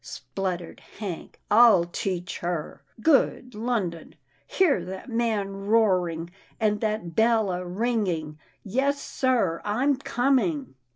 spluttered Hank, "I'll teach her — Good London ! hear that man roaring, and that bell a ringing — Yes sir, I'm coming."